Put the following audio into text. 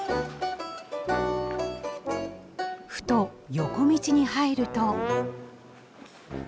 ふと横道に入ると。